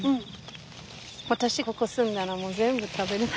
私ここ住んだら全部食べる。